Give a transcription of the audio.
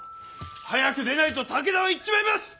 早く出ないと武田は行っちまいます！